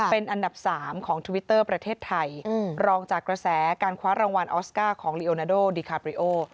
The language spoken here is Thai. เป็นอันดับ๓ของทวิตเตอร์ประเทศไทยรองจากกระแสการคว้ารางวัลออสการ์ของลีโอนาโดดิคาบริโอ